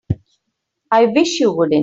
I wish you wouldn't.